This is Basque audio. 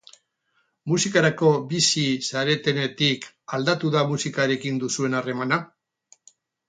Musikarako bizi zaretenetik, aldatu da musikarekin duzuen harremana?